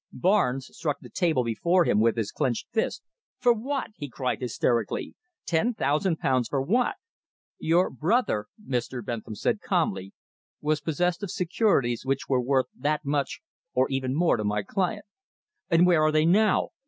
Barnes struck the table before him with his clenched fist. "For what?" he cried, hysterically. "Ten thousand pounds for what?" "Your brother," Mr. Bentham said calmly, "was possessed of securities which were worth that much or even more to my client." "And where are they now?"